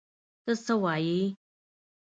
ته څه وایې!؟